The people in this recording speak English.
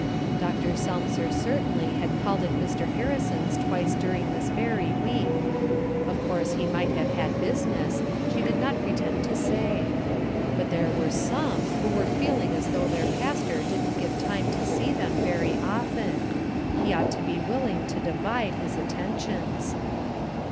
Dr. Selmser certainly had called at Mr. Harrison's twice during this very week. Of course he might have had business she did not pretend to say. But there were some who were feeling as though their pastor didn't get time to see them very often. He ought to be willing to divide his attentions.